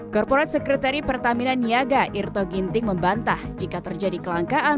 corporat sekretari pertamina niaga irto ginting membantah jika terjadi kelangkaan